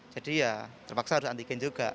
jadi ya terpaksa harus antigen juga